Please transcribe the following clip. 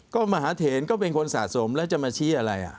ก็มหาเถนก็เป็นคนสะสมแล้วจะมาชี้อะไร